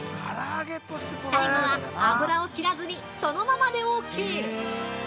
◆最後は油を切らずに、そのままでオーケー！